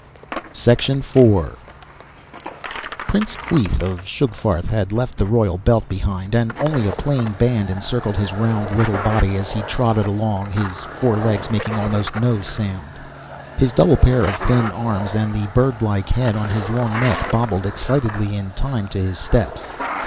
IV Prince Queeth of Sugfarth had left the royal belt behind, and only a plain band encircled his round little body as he trotted along, his four legs making almost no sound. His double pair of thin arms and the bird like head on his long neck bobbled excitedly in time to his steps.